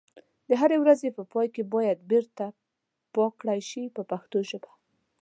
د هرې ورځې په پای کې باید بیرته پاکي کړای شي په پښتو ژبه.